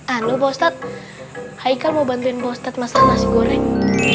anu pak ustaz haikal mau bantuin pak ustaz masak nasi goreng